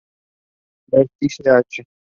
Ver índice h.